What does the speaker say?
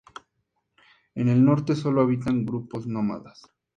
En el norte sólo habitan grupos nómadas.